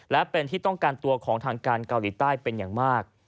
และเป็นที่ต้องการตัวของทางการเกาหลีใต้เป็นอย่างมาก